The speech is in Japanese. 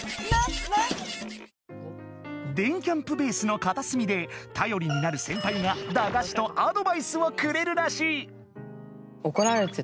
電キャんぷベースのかたすみでたよりになるセンパイが駄菓子とアドバイスをくれるらしい。